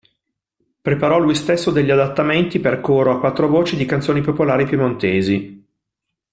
Preparò lui stesso degli adattamenti per coro a quattro voci di canzoni popolari piemontesi.